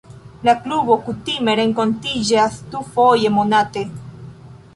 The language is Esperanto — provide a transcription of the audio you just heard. La klubo kutime renkontiĝas dufoje monate.